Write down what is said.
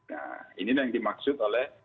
nah inilah yang dimaksud oleh